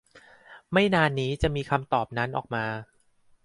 ไม่นานนี้จะมีคำตอบนั้นออกมา